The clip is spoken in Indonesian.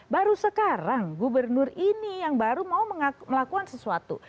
baru sekarang gubernur ini yang baru mau melakukan sesuatu